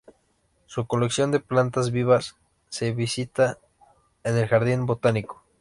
Su colección de plantas vivas se visita en el jardín botánico.